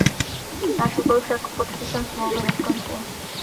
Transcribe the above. Náš úkol však podpisem Smlouvy neskončil.